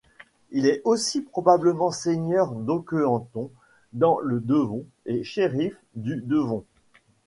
Il est aussi probablement seigneur d'Okehampton dans le Devon et shérif du Devon.